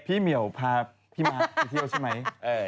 เหมียวพาพี่ม้าไปเที่ยวใช่ไหม